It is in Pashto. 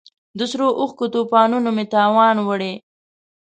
د سرو اوښکو توپانونو مې توان وړی